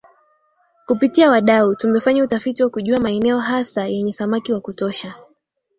Kupitia wadau tumefanya utafiti wa kujua maeneo hasa yenye samaki wa kutosha